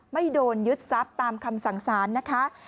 ไม่โดนยึดทรัพย์ตามคำสั่งสารนะคะ